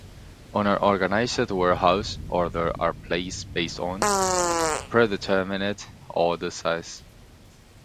In an organized warehouse, orders are placed based on predetermined order sizes.